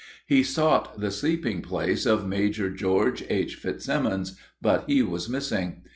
He sought the sleeping place of Major George H. Fitzsimmons, but he was missing.